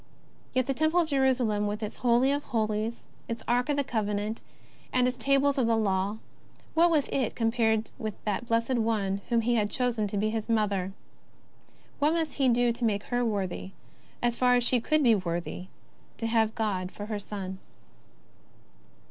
Yet the Temple of Jerusalem, with its Holy of Holies, its Ark of the Covenant, and its Tables of the Law, what was it compared with that Blessed One whom He had chosen to be His Mother ? What must He do to make her worthy, as far as she could be worthy, to have God for her Son